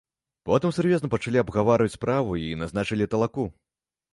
Потым сур'ёзна пачалі абгаварваць справу і назначылі талаку.